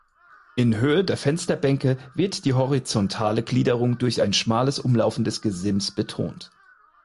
In Höhe der Fensterbänke wird die horizontale Gliederung durch ein schmales umlaufendes Gesims betont.